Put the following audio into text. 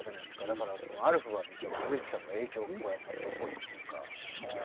だから「アルフ」は実は植木さんの影響が色濃いっていうか。